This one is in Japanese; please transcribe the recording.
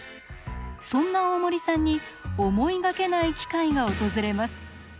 そんな大森さんに思いがけない機会が訪れます。